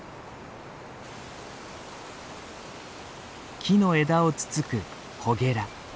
木の枝をつつくコゲラ。